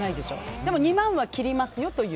でも２万は切りますよという。